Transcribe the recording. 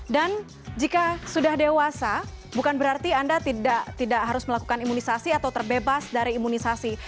dan jika sudah dewasa bukan berarti anda tidak harus melakukan imunisasi atau terbebas dari imunisasi